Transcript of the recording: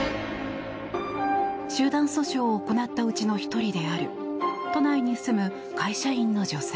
集団訴訟を行ったうちの１人である都内に住む会社員の女性。